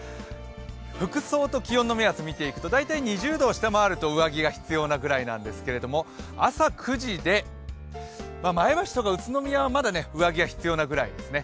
服装と気温の目安を見ていくと、だいたい２０度を下回ると上着が必要なくらいですが朝９時で、前橋とか宇都宮はまだ上着が必要なくらいですね。